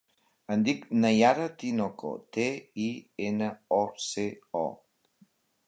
Em dic Nayara Tinoco: te, i, ena, o, ce, o.